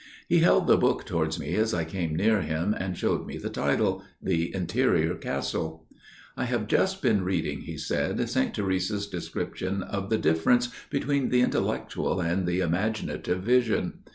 He held the book towards me as I came near him, and showed me the title, "The Interior Castle." "I have just been reading," he said, "Saint Teresa's description of the difference between the intellectual and the imaginative vision.